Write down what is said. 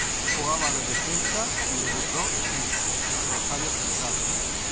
Jugaba de defensa y debutó en Rosario Central.